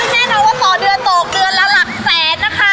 ซึ่งแม่น้องว่าต่อเดือนโต๊คเดือนละหลักแสนนะคะ